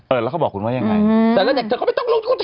เออแล้วเขาบอกคุณว่ายังไงอืมแต่แล้วเด็กเธอก็ไม่ต้องรู้